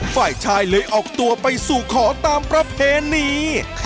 ฝ่ายชายเลยออกตัวไปสู่ขอตามประเพณี